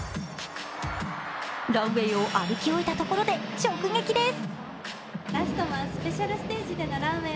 ランウェイを歩き終えたところで直撃です。